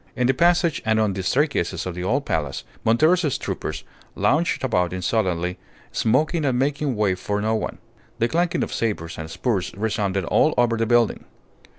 In the passages and on the staircases of the old palace Montero's troopers lounged about insolently, smoking and making way for no one; the clanking of sabres and spurs resounded all over the building.